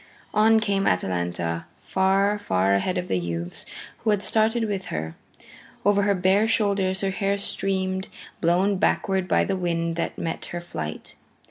On came Atalanta, far, far ahead of the youths who had started with her. Over her bare shoulders her hair streamed, blown backward by the wind that met her flight.